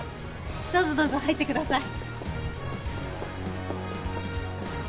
どうぞどうぞ入ってください